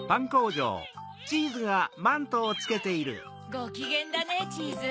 ごきげんだねチーズ。